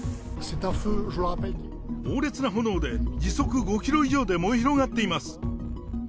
猛烈な炎で、時速５キロ以上で燃え広がっています。